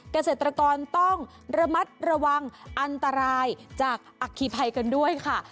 เกษตรกรต้องระมัดระวังอันตรายจากอัคคีภัยกันด้วยค่ะ